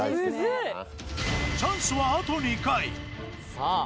いチャンスはあと２回さあ